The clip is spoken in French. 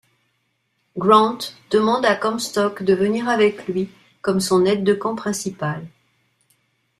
Grant demande à Comstock de venir avec lui comme son aide-de-camp principal.